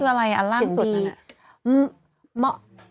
คืออะไรอันล่างสุดนั้น